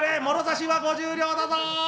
もろ差しは５０両だぞ」。